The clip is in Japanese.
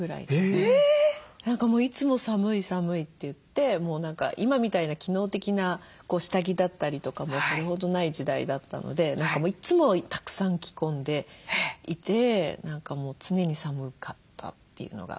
何かいつも「寒い寒い」って言って今みたいな機能的な下着だったりとかもそれほどない時代だったので何かいつもたくさん着込んでいて何かもう常に寒かったっていうのが。